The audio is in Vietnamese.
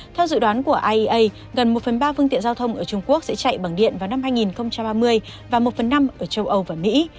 theo dự đoán của iea gần một phần ba phương tiện giao thông ở trung quốc sẽ chạy bằng điện vào năm hai nghìn ba mươi và một phần năm ở châu âu và mỹ